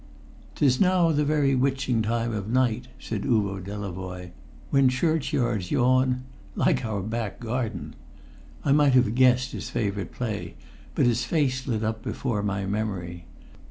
"''Tis now the very witching time of night,'" said Uvo Delavoye, "'when church yards yawn' like our back garden!" I might have guessed his favourite play, but his face lit up before my memory.